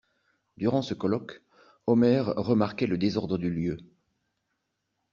Durant ce colloque, Omer remarquait le désordre du lieu.